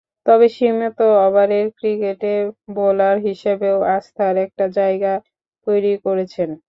তবে সীমিত ওভারের ক্রিকেটে বোলার হিসেবেও আস্থার একটা জায়গা তৈরি করেছেন।